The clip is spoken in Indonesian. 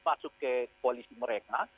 masuk ke koalisi mereka